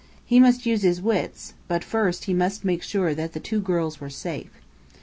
He must use his wits; but first he must make sure that the two girls were safe.